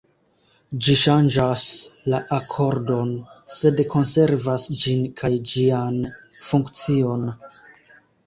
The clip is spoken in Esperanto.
Ĝi ŝanĝas la akordon, sed konservas ĝin kaj ĝian funkcion.